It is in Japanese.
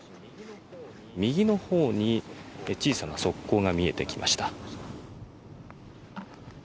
右のほうに小さな側溝が見えてきました。